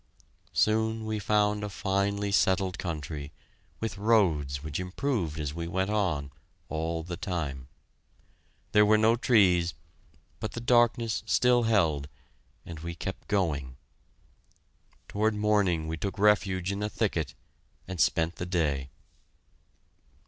Soon we found a finely settled country, with roads which improved as we went on, all the time. There were no trees, but the darkness still held, and we kept going. Toward morning we took refuge in a thicket, and spent the day.